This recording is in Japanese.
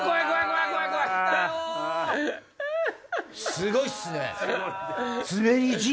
すごいっすね。